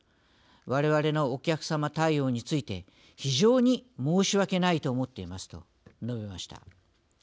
われわれのお客様対応について非常に申し訳ないと思っていますと述べました。